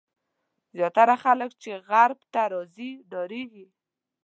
زیاتره خلک چې غرب ته راځي ډارېږي.